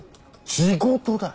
仕事だよ！